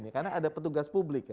karena ada petugas publik ya